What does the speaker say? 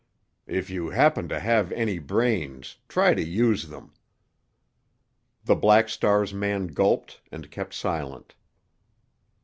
If you happen to have any brains, try to use them." The Black Star's man gulped and kept silent.